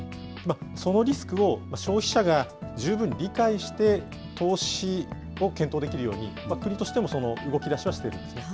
そのリスクを消費者が十分理解して、投資を検討できるように、国としても動きだしはしているんですね。